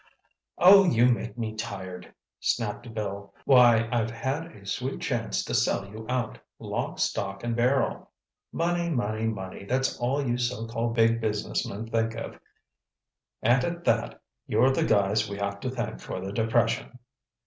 "Oh, you make me tired," snapped Bill. "Why, I've had a sweet chance to sell you out—lock, stock and barrel. Money, money, money—that's all you so called big business men think of—and at that, you're the guys we have to thank for the depression.